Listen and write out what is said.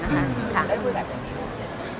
ได้คุยแบบไหนกัน